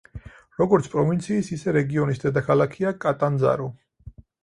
როგორც პროვინციის, ისე რეგიონის დედაქალაქია კატანძარო.